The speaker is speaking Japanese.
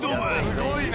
すごいな。